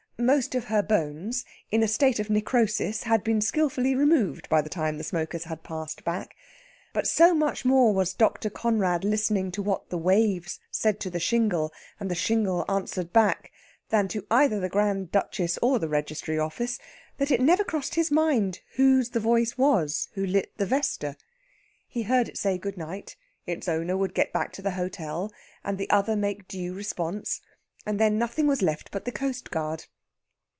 Most of her bones, in a state of necrosis, had been skilfully removed by the time the smokers had passed back. But so much more was Dr. Conrad listening to what the waves said to the shingle and the shingle answered back, than to either the Grand Duchess or the registry office, that it never crossed his mind whose the voice was who lit the vesta. He heard it say good night its owner would get back to the hotel and the other make due response. And then nothing was left but the coastguard.